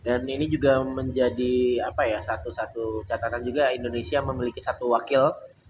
dan ini juga menjadi apa ya satu satu catatan juga indonesia memiliki satu wakil